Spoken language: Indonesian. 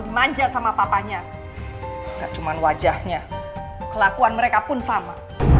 dimanja sama papanya cuman wajahnya kelakuan mereka pun sama